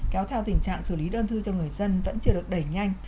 kéo theo tình trạng xử lý đơn thư cho người dân vẫn chưa được đẩy nhanh